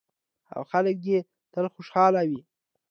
او خلک دې یې تل خوشحاله وي.